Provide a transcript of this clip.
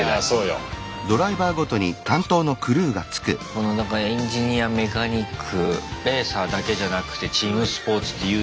このなんかエンジニアメカニックレーサーだけじゃなくてチームスポーツって言うよね。